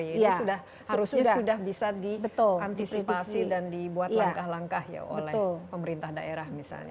ini harusnya sudah bisa diantisipasi dan dibuat langkah langkah ya oleh pemerintah daerah misalnya